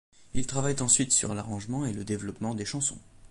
Ils travaillent ensuite sur l'arrangement et le développement des chansons.